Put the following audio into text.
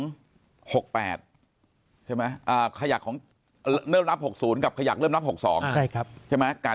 ใช่ไหมขยักของเริ่มรับ๖๐กับขยักเริ่มรับ๖๒ใช่ไหม